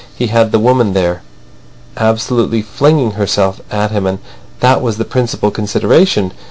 He had the woman there, absolutely flinging herself at him, and that was the principal consideration.